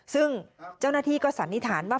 ซึ่งเจ้าหน้าที่ก็สันนิษฐานว่า